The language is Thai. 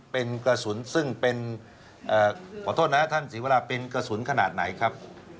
เป็นกระสุนซึ่งเป็นขอโทษนะท่านศรีวราเป็นกระสุนขนาดไหนครับ